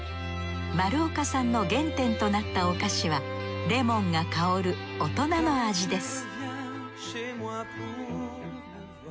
丸岡さんの原点となったお菓子はレモンが香る大人の味です